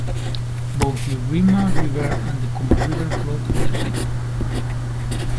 Both the Iruma River and the Koma River flow through the city.